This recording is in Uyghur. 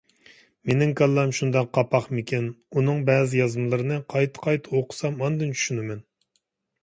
مېنىڭ كاللام شۇنداق قاپاقمىكىن، ئۇنىڭ بەزى يازمىلىرىنى قايتا-قايتا ئوقۇسام ئاندىن چۈشىنىمەن.